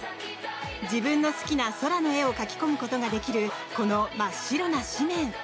自分の好きな空の絵を描き込むことができるこの真っ白な紙面。